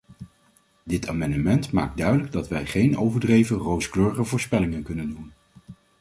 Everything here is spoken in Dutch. Dit amendement maakt duidelijk dat wij geen overdreven rooskleurige voorspellingen kunnen doen.